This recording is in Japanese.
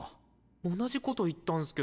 同じこと言ったんスけど。